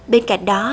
bên cạnh đó